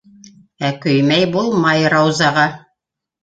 Ә көймәй булмай Раузаға.